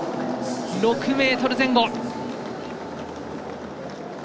６ｍ前後！